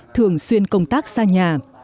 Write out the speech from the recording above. thường xuyên công tác xa nhà